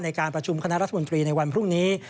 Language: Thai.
ในการประชุมคณะรัฐมนตรีในวันพรุ่งนี้